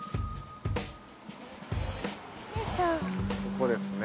ここですね。